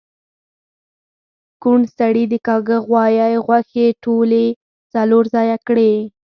کوڼ سړي د کاږه غوایی غوښې ټولی څلور ځایه کړی